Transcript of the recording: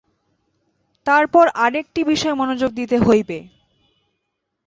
তারপর আর একটি বিষয়ে মনোযোগ দিতে হইবে।